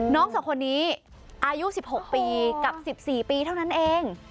สองคนนี้อายุ๑๖ปีกับ๑๔ปีเท่านั้นเอง